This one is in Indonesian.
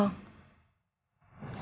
ya udah gak saya paksa